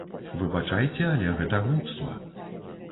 Выбачайце, але гэта глупства.